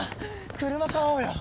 車買おうよ！